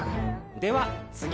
では次。